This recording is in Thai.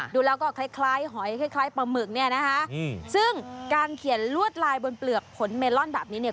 ดูแล้วก็คล้ายหอยคล้ายปลาหมึกเนี่ยนะคะซึ่งการเขียนลวดลายบนเปลือกผลเมลอนแบบนี้เนี่ย